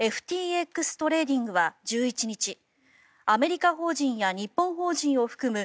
ＦＴＸトレーディングは１１日アメリカ法人や日本法人を含む